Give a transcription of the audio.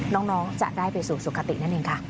น้องจะได้ไปสู่สุขตินั่นเองค่ะ